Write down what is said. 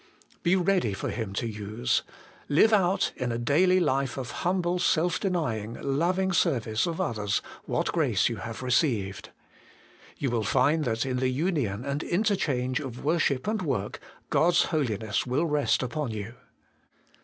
Be ready for Him to use ; live out, in a daily life of humble, self denying, loving service of others, what grace you have received. You will find that in the union and interchange of worship and work, God's Holiness will rest upon you.